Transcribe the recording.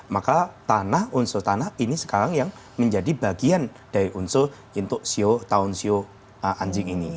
maka tanah unsur tanah ini sekarang yang menjadi bagian dari unsur untuk sio tahun sio anjing ini